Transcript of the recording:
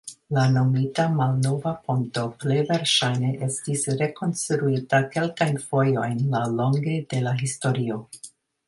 La nomita "malnova ponto" plej verŝajne estis rekonstruita kelkajn fojojn laŭlonge de la historio.